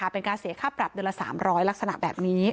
เป็นการเสียค่าปรับเดือนละ๓๐๐ลักษณะแบบนี้